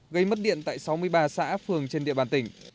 gây mất điện tại sáu mươi ba xã phường trên địa bàn tỉnh